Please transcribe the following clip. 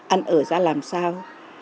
ăn ở ra làm sao